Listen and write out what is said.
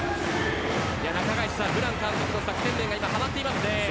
中垣内さん、ブラン監督の作戦が今はまっていますね。